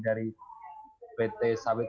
dari pt sawit